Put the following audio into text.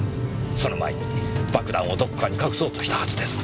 その前に爆弾をどこかに隠そうとしたはずです。